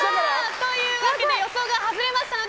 というわけで予想が外れましたので